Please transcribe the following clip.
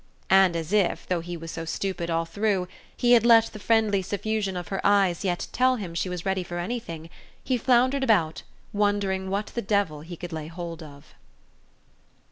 And as if, though he was so stupid all through, he had let the friendly suffusion of her eyes yet tell him she was ready for anything, he floundered about, wondering what the devil he could lay hold of.